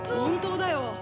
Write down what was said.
本当だよ。